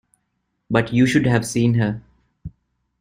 But you should have seen her!